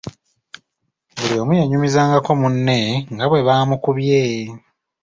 Buli omu yanyumizangako munne nga bwe baamukubye.